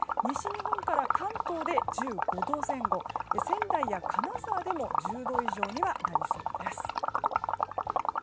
西日本から関東で１５度前後仙台や金沢でも１０度以上にはなりそうです。